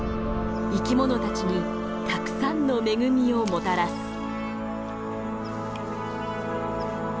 生きものたちにたくさんの恵みをもたらす。